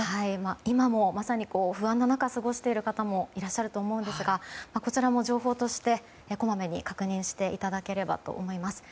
今もまさに不安の中過ごしていらっしゃると思うんですがこちらも情報としてこまめに確認していただければと思います。